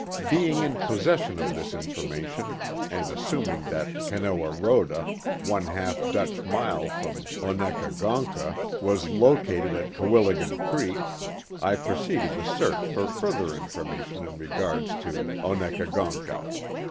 Being in possession of this information, and assuming that Canowaroda— one half Dutch mile from Onekagoncka — was located at Cowilligan Creek, I proceeded to search for further information in regard to Onekagoncka.